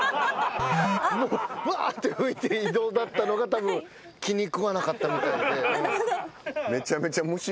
もうわって拭いて移動だったのがたぶん気に食わなかったみたいで。